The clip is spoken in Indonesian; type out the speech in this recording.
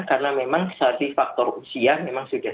karena memang saldi faktor usia memang sudah